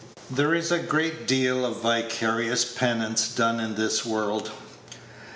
There is a great deal of vicarious penance done in this world.